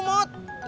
ini t urusan tukang